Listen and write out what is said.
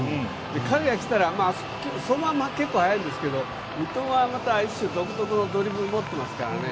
彼が来たら相馬も結構速いんですけど三笘は一種独特のドリブルを持っていますからね。